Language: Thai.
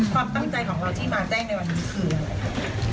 ความตั้งใจของเราที่มาแจ้งในวันนี้คืออะไร